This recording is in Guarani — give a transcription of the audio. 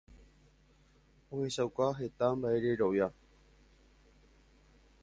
ohechauka heta mba'ererovia